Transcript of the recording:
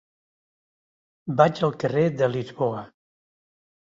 Vaig al carrer de Lisboa.